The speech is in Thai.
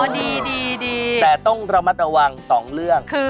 ดีแต่ต้องระมัดระวัง๒เรื่อง